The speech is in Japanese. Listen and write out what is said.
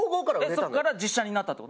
そこから実写になったの。